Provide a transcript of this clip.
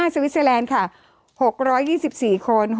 สวิสเตอร์แลนด์ค่ะ๖๒๔คน